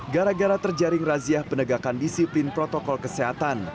gara gara terjaring razia penegakan disiplin protokol kesehatan